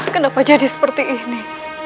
kenapa jadi seperti ini